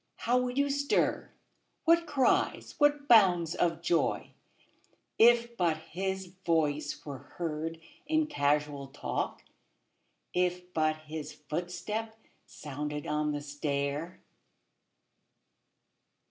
How would you stir, what cries, what bounds of joy, If but his voice were heard in casual talk, If but his footstep sounded on the stair